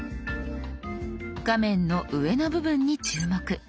画面の上の部分に注目。